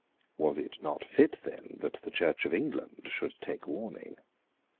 Was it not fit then that the Church of England should take warning?